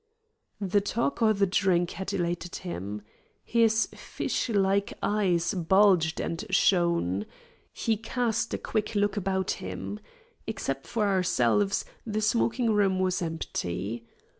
The talk or the drink had elated him. His fish like eyes bulged and shone. He cast a quick look about him. Except for ourselves, the smoking room was empty.